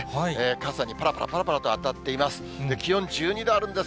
傘にぱらぱらぱらぱらと当たっています。